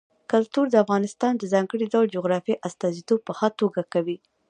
کلتور د افغانستان د ځانګړي ډول جغرافیې استازیتوب په ښه توګه کوي.